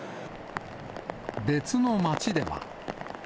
別の町では。